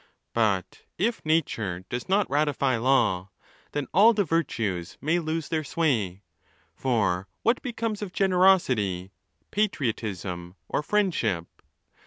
But if nature does not ratify law, then all the virtues may — lose their sway. For what becomes of generosity, patriotism, or friendship?